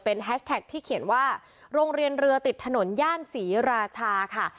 แฮชแท็กที่เขียนว่าโรงเรียนเรือติดถนนย่านศรีราชาค่ะ